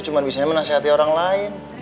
cuma bisa menasehati orang lain